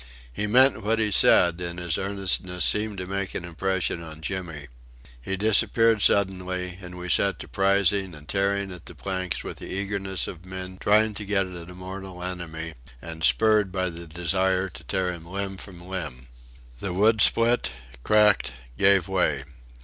He meant what he said, and his earnestness seemed to make an impression on Jimmy. He disappeared suddenly, and we set to prising and tearing at the planks with the eagerness of men trying to get at a mortal enemy, and spurred by the desire to tear him limb from limb. The wood split, cracked, gave way.